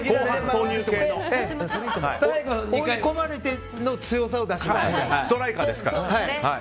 追い込まれてのストライカーですから。